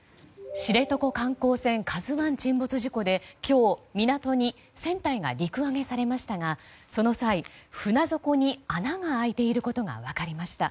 知床観光船「ＫＡＺＵ１」沈没事故で今日、港に船体が陸揚げされましたがその際、船底に穴が開いていることが分かりました。